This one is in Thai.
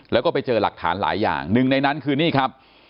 แล้วก็ไปเจอหลักฐานหลายอย่างหนึ่งในนั้นคือนี่ครับ